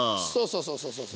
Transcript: そうそうそうそう。